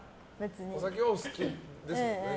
お酒、お好きですもんね。